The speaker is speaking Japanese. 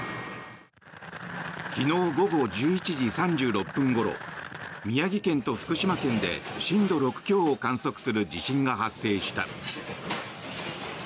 昨日午後１１時３６分ごろ宮城県と福島県で震度６強を観測する地震が発生した。